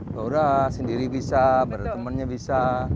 murah sendiri bisa berda temennya bisa